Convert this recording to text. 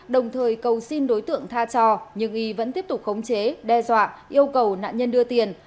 đồng thời cầu xin đối tượng tha trò nhưng y vẫn tiếp tục khống chế đe dọa yêu cầu nạn nhân đưa tiền